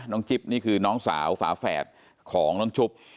จิ๊บนี่คือน้องสาวฝาแฝดของน้องจุ๊บ